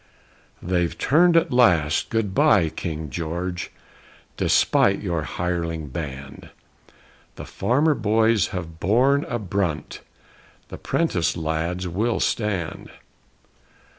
They've turned at last! Good by, King George, Despite your hireling band! The farmer boys have borne a brunt, The 'prentice lads will stand!